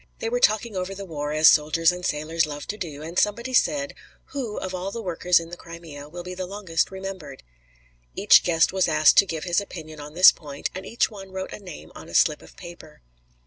They were talking over the war, as soldiers and sailors love to do, and somebody said: "Who, of all the workers in the Crimea, will be longest remembered?" Each guest was asked to give his opinion on this point, and each one wrote a name on a slip of paper.